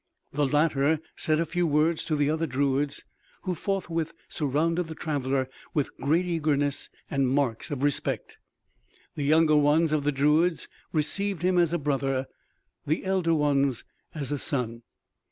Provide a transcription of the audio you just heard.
The latter said a few words to the other druids, who forthwith surrounded the traveler with great eagerness and marks of respect. The younger ones of the druids received him as a brother, the elder ones as a son.